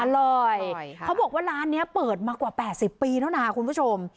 อร่อยอร่อยค่ะเขาบอกว่าร้านเนี้ยเปิดมากกว่าแปดสิบปีแล้วน่ะคุณผู้ชม